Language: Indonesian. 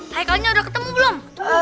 haykalnya udah ketemu belum